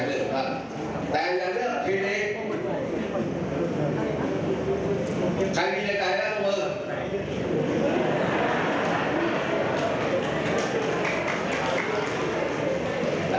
ตอบกับผมว่าที่เลือกอะไรยุคแม่งล่ะ